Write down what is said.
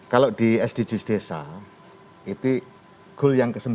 kalau di sdgs desa itu goal yang ke sembilan